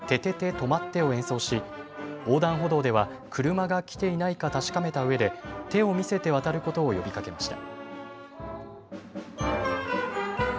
とまって！を演奏し横断歩道では車が来ていないか確かめたうえで手を見せて渡ることを呼びかけました。